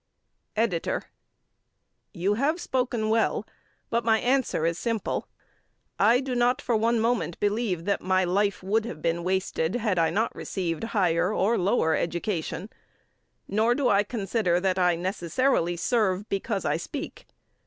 EDITOR: You have spoken well. But my answer is simple: I do not for one moment believe that my life would have been wasted, had I not received higher or lower education. Nor do I consider that I necessarily serve because I speak.